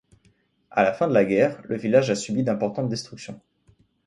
À la fin de la guerre, le village a subi d'importantes destructions.